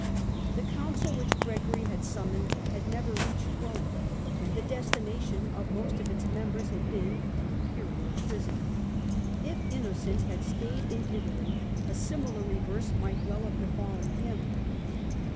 The Council which Gregory had summoned had never reached Rome, and the destination of most of its members had been an Imperial prison. If Innocent had stayed in Italy a similar reverse might well have befallen him.